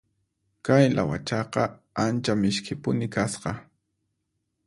Kay lawachaqa ancha misk'ipuni kasqa.